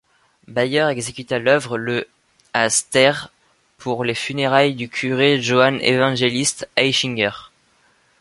Bayer exécuta l'œuvre le à Steyr pour les funérailles du curé Johann Evangelist Aichinger.